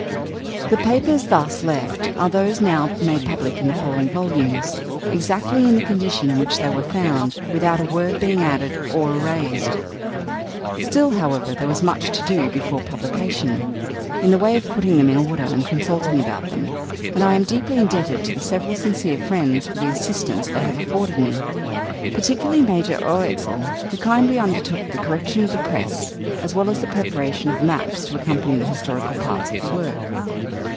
The papers thus left are those now made public in the following volumes, exactly in the condition in which they were found, without a word being added or erased. Still, however, there was much to do before publication, in the way of putting them in order and consulting about them; and I am deeply indebted to several sincere friends for the assistance they have afforded me, particularly Major O'Etzel, who kindly undertook the correction of the Press, as well as the preparation of the maps to accompany the historical parts of the work.